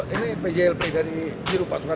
ini pjlp dari jiru pasukan